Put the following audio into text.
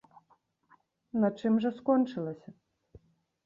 На чым жа скончылася?